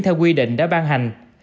theo quy định đã ban hành